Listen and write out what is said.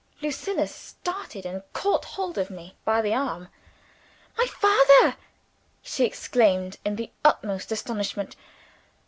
Lucilla started, and caught hold of me by the arm. "My father!" she exclaimed in the utmost astonishment.